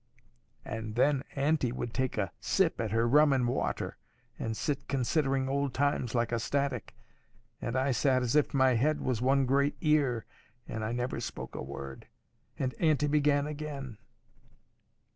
And then auntie would take a sip at her rum and water, and sit considering old times like a statue. And I sat as if all my head was one great ear, and I never spoke a word. And auntie began again.